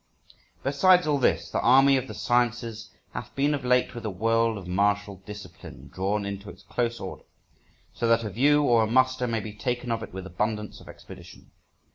Besides all this, the army of the sciences hath been of late with a world of martial discipline drawn into its close order, so that a view or a muster may be taken of it with abundance of expedition.